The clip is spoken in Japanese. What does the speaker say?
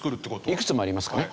いくつもありますからね。